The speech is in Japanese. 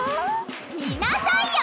見なさいよ！